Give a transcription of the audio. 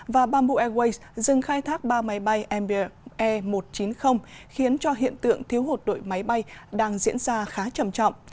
và bamboo airways dừng khai thác ba máy bay mbe một trăm chín mươi khiến cho hiện tượng thiếu hụt đội máy bay đang diễn ra khá trầm trọng